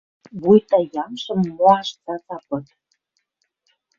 Вуйта ямшым моаш цаца пыт.